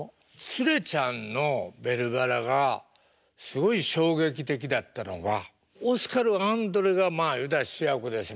ツレちゃんの「ベルばら」がすごい衝撃的だったのはオスカルアンドレがまあ言うたら主役です。